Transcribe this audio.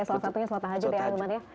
salah satunya salat tahajud ya ahli iman ya